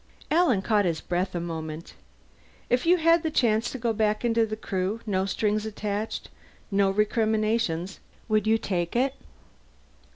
Alan caught his breath a moment. "If you had the chance to go back into the Crew, no strings attached, no recriminations would you take it?"